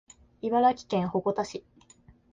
茨城県鉾田市